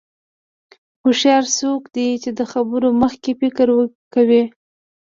هوښیار څوک دی چې د خبرو مخکې فکر کوي.